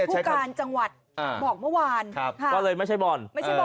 จังหวัดอ่าบอกเมื่อวานครับครับก็เลยไม่ใช่บอลไม่ใช่บอลอ่า